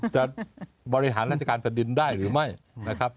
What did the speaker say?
จะบริหารราชการแผ่นดินได้หรือไม่นะครับ